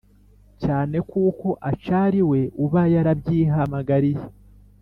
cyane kuko acari we uba yarabyihamagariye